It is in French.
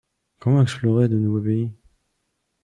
Comment explorer de nouveaux pays ?